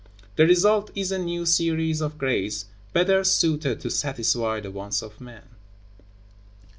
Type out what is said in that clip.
The result is a new series of grades better suited to satisfy the wants of men.